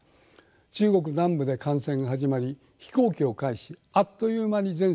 中国南部で感染が始まり飛行機を介しあっという間に全世界に広がりました。